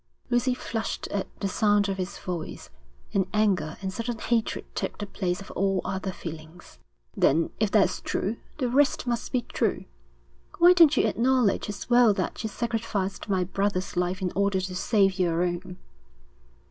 Lucy flushed at the sound of his voice, and anger and sudden hatred took the place of all other feelings. 'Then if that's true, the rest must be true. Why don't you acknowledge as well that you sacrificed my brother's life in order to save your own?'